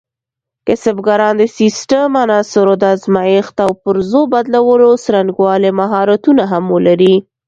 کسبګران د سیسټم عناصرو د ازمېښت او پرزو بدلولو څرنګوالي مهارتونه هم ولري.